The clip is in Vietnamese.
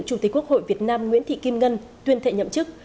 chủ tịch quốc hội việt nam nguyễn thị kim ngân tuyên thệ nhậm chức